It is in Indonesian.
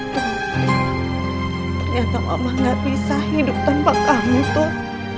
ternyata allah gak bisa hidup tanpa kamu tuh